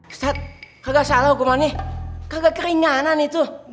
ustadz kakak salah hukumannya kagak keringanan itu